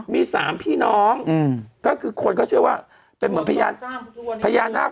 มีสามพี่น้องอืมก็คือคนเขาเชื่อว่าเป็นเหมือนพระยาพระยางาศ